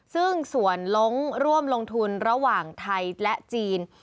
ซึ่งส่วนล้งร่วมลงทุนระหว่างไทยและจีน